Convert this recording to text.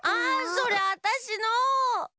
それあたしの！